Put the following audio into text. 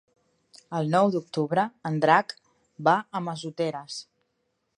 El nou d'octubre en Drac va a Massoteres.